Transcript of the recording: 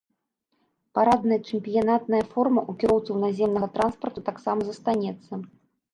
Парадная чэмпіянатная форма ў кіроўцаў наземнага транспарту таксама застанецца.